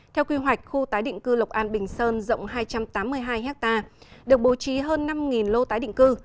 theo quy hoạch khu tái định cư lộc an bình sơn rộng hai trăm tám mươi hai hectare được bố trí hơn năm lô tái định cư